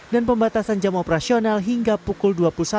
dan pembatasan jam operasional hingga pukul dua puluh satu